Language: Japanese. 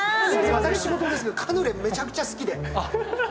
私ごとですけどカヌレめちゃくちゃ好きで。